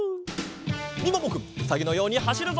みももくんうさぎのようにはしるぞ！